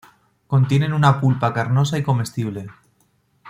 Contienen una pulpa carnosa y comestible.